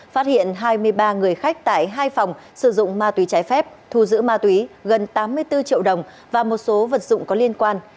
phát hiện hai mươi ba người khách tại hai phòng sử dụng ma túy trái phép thu giữ ma túy gần tám mươi bốn triệu đồng và một số vật dụng có liên quan